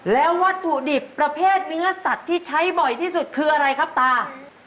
แล้ววัตถุดิบประเภทเนื้อสัตว์ที่ใช้บ่อยที่สุดคืออะไรครับตา